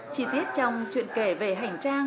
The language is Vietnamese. chi tiết trong chuyện kể về hành trang